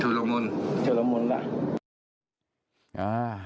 ชุดละมนต์ชุดละมนต์แหละ